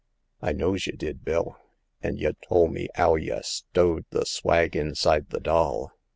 I knows y' did. Bill. An' you tole me 'ow y' stowed the swag inside the doll.